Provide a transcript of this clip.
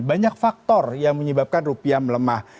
banyak faktor yang menyebabkan rupiah melemah